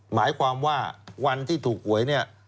หมายความว่าวันที่ถูกไหว